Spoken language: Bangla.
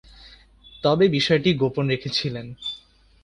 তবে বিষয়টি গোপন রেখেছিলেন।